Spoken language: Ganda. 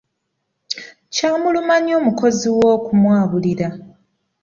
Kyamuluma nnyo omukozi we okumwabulira.